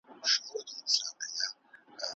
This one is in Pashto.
او مرغانو ته ایږدي